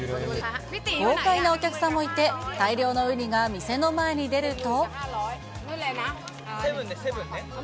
豪快なお客さんもいて、大量のウニが店の前に出ると。